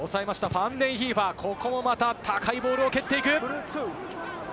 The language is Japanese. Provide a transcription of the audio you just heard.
ファンデンヒーファー、ここもまた高いボールを蹴っていく。